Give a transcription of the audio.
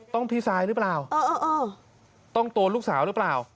พี่ซายหรือเปล่าต้องตัวลูกสาวหรือเปล่า